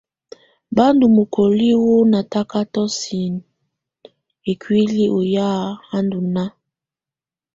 Ba ndù mukoli wu natakatɔ sinǝ ikuili u ya a ndù naà.